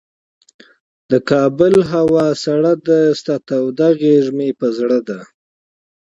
د کابل هوا سړه ده، ستا توده غیږ مه په زړه ده